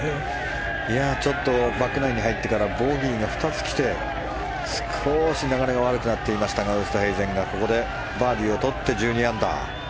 バックナインに入ってからボギーが２つきて少し流れが悪くなっていましたがウーストヘイゼンがここでバーディーをとって１２アンダー。